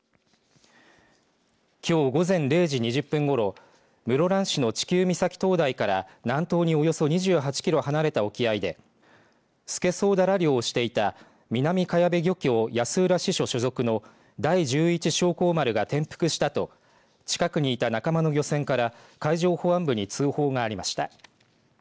きょう午前０時２０分ごろ室蘭市のチキウ岬灯台から南東におよそ２８キロ離れた沖合でスケソウダラ漁をしていた南かやべ漁協安浦支所所属の第十一松光丸が転覆したと近くにいた仲間の漁船から海上保安部に通報がありました。